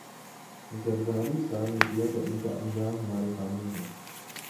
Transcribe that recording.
زرداری صاحب نے کیا تو ان کا انجام ہمارے سامنے ہے۔